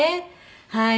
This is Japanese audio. はい。